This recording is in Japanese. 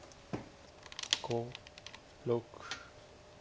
５６。